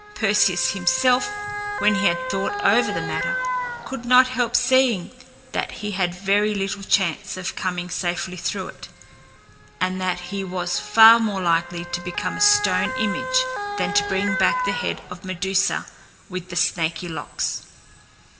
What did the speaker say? Perseus himself, when he had thought over the matter, could not help seeing that he had very little chance of coming safely through it, and that he was far more likely to become a stone image than to bring back the head of Medusa with the snaky locks.